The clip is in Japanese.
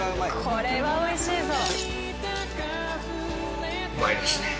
これは美味しいぞ。